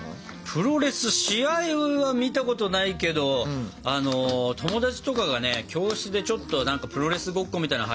プロレス試合は見たことないけど友達とかがね教室でちょっとプロレスごっこみたいなのはやってたり。